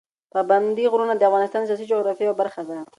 پابندي غرونه د افغانستان د سیاسي جغرافیه یوه برخه ده.